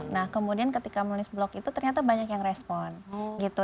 nah kemudian ketika menulis blog itu ternyata banyak yang respon gitu